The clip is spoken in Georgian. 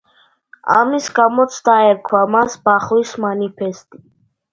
ამის გამოც დაერქვა მას „ბახვის მანიფესტი“.